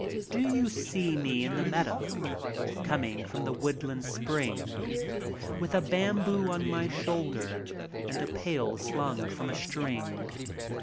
Do you see me in the meadow, Coming from the woodland spring, With a bamboo on my shoulder And a pail slung from a string?